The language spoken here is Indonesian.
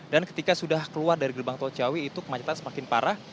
ketika sudah keluar dari gerbang tol ciawi itu kemacetan semakin parah